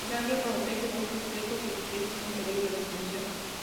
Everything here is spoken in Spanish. El área protege bosques secos y especies en peligro de extinción.